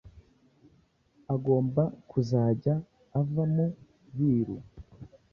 agomba kuzajya ava mu biru